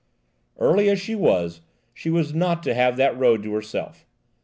Early as she was, she was not to have that road to herself.